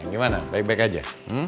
gimana baik baik aja